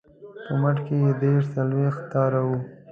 په مټ کې یې دېرش څلویښت تاره وه.